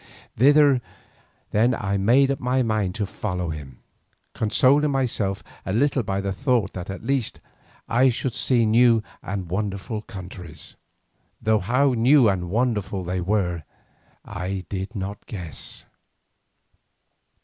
Thither then I made up my mind to follow him, consoling myself a little by the thought that at least I should see new and wonderful countries, though how new and wonderful they were I did not guess.